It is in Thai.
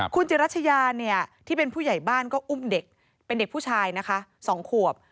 คุณจิรัชยาเนี่ยที่เป็นผู้ใหญ่บ้านก็อุ้มเด็กเป็นเด็กผู้ชายนะคะ๒ขวบ